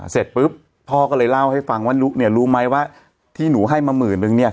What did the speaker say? เสร็จปุ๊บพ่อก็เลยเล่าให้ฟังว่านุ๊กเนี่ยรู้ไหมว่าที่หนูให้มาหมื่นนึงเนี่ย